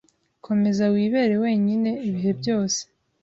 komeza wibere wenyine ibihe byose